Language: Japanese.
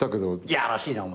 やらしいなお前。